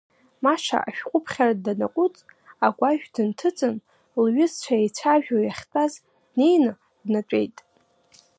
Маша ашәҟәыԥхьара данаҟәыҵ, агәашә дынҭыҵын, лҩызцәа еицәажәо иахьтәаз днеины, днатәеит.